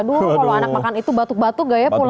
aduh kalau anak makan itu batuk batuk gak ya pulang